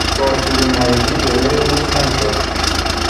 با فرومایگی جلو او خم شد.